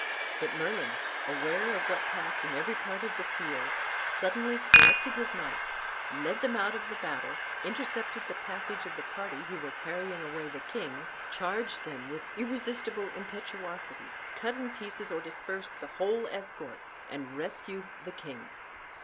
But Merlin, aware of what passed in every part of the field, suddenly collected his knights, led them out of the battle, intercepted the passage of the party who were carrying away the king, charged them with irresistible impetuosity, cut in pieces or dispersed the whole escort, and rescued the king.